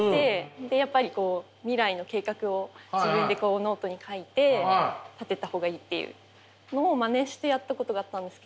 でやっぱり未来の計画を自分でノートに書いて立てた方がいいっていうのをまねしてやったことがあったんですけど。